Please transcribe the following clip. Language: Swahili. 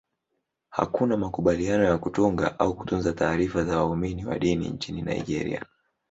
Hakuna makubaliano ya kutunga au kutunza taarifa za waumini wa dini nchini Nigeria.